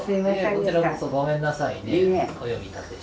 こちらこそごめんなさいねお呼び立てして。